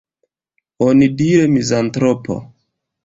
Onidire, mizantropo.